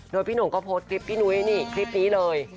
โดยพี่หน่งก็โพสต์คลิปพี่นุ้ยนี่คลิปนี้เลย